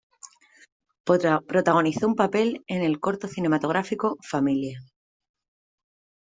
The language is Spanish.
Protagonizó un papel en el corto cinematográfico "Familia".